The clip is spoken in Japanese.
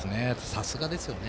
さすがですよね。